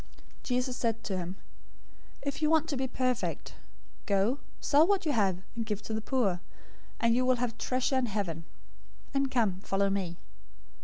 019:021 Jesus said to him, "If you want to be perfect, go, sell what you have, and give to the poor, and you will have treasure in heaven; and come, follow me."